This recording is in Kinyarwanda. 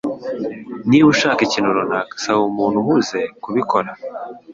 Niba ushaka ikintu runaka, saba umuntu uhuze kubikora.